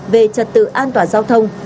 về trật tự an toàn giao thông